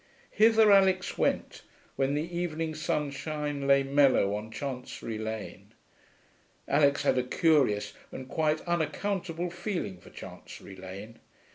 Hither Alix went, when the evening sunshine lay mellow on Chancery Lane. Alix had a curious and quite unaccountable feeling for Chancery Lane.